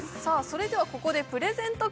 それではここでプレゼント